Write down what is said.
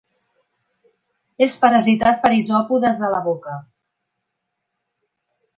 És parasitat per isòpodes a la boca.